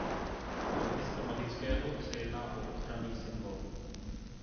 Z hlediska magického se jedná o ochranný symbol.